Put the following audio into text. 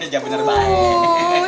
jangan bener bener baik